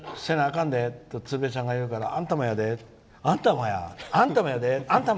かんでと鶴瓶ちゃんが言うからあんたもやであんたもや、あんたもやで。